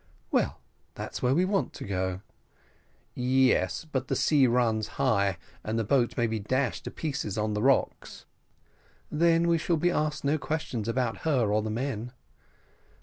"Well, that's where we want to go." "Yes, but the sea runs high, and the boat may be dashed to pieces on the rocks." "Then we shall be asked no questions about her or the men."